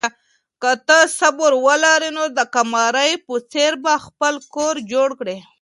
که ته صبر ولرې نو د قمرۍ په څېر به خپل کور جوړ کړې.